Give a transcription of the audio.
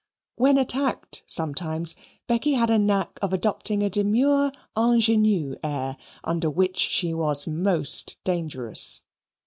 When attacked sometimes, Becky had a knack of adopting a demure ingenue air, under which she was most dangerous.